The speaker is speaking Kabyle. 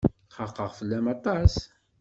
Xaqeɣ fell-am aṭas.